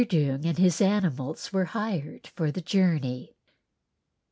Doong and his animals were hired for the journey.